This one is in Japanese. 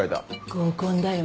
合コンだよね？